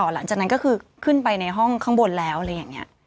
หลังจากนั้นก็คือขึ้นไปในห้องข้างบนแล้วอะไรอย่างนี้